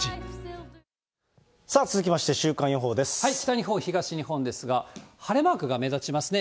日本、東日本ですが晴れマークが目立ちますね。